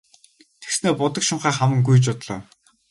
Тэгснээ будаг шунхаа хаман гүйж одлоо.